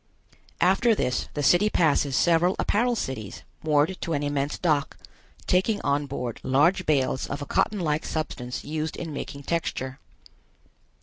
After this the city passes several apparel cities moored to an immense dock, taking on board large bales of a cotton like substance used in making texture.